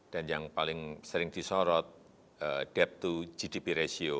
dan yang paling sering disorot debt to gdp ratio